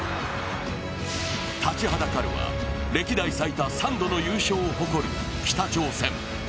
立ちはだかるは、歴代最多３度の優勝を誇る北朝鮮。